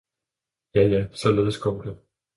–– ja, ja, således går det!